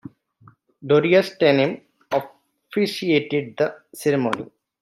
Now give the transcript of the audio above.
Gloria Steinem officiated the ceremony.